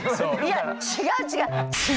いや違う違う！